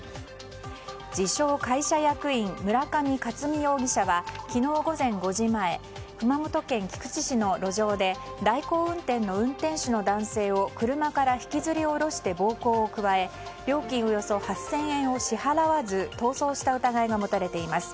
自称会社役員村上勝己容疑者は昨日午前５時前熊本県菊池市の路上で代行運転の運転手の男性を車から引きずり降ろして暴行を加え料金およそ８０００円を支払わず逃走した疑いが持たれています。